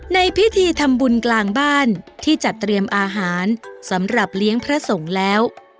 ในพิธีทำบุญกลางบ้านที่จัดเตรียมอาหารสำหรับเลี้ยงพระสงฆ์แล้ว